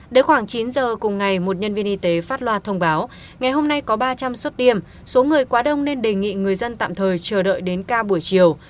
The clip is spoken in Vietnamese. đến khoảng chín giờ cùng ngày một nhân viên y tế phát loa thông báo ngày hôm nay có ba trăm linh suất tiêm số người quá đông nên đề nghị người dân tạm thời chờ đợi đến ca buổi chiều